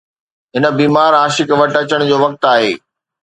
هن بيمار عاشق وٽ اچڻ جو وقت آهي